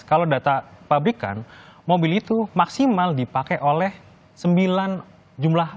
kalau data pabrikan mobil itu maksimal dipakai oleh sembilan jumlah